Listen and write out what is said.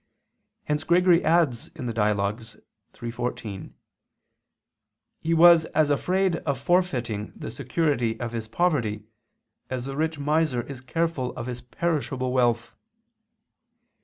Hence Gregory adds (Dial. iii, 14): "He was as afraid of forfeiting the security of his poverty, as the rich miser is careful of his perishable wealth."